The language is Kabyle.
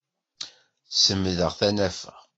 Semdeɣ tanafa.